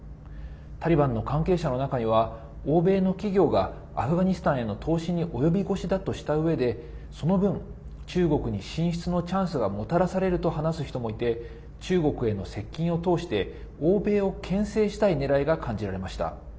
タリバンの関係者の中には欧米の企業がアフガニスタンへの投資に及び腰だとしたうえでその分、中国に進出のチャンスがもたらされると話す人もいて中国への接近を通して欧米を、けん制したいねらいが感じられました。